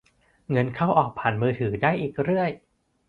เงินเข้าออกผ่านมือได้อีกเรื่อย